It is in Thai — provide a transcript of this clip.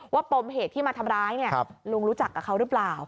ปมเหตุที่มาทำร้ายลุงรู้จักกับเขาหรือเปล่า